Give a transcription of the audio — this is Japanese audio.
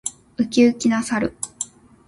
ウキウキな猿。